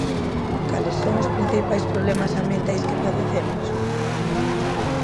Cales son os principais problemas ambientais que padecemos?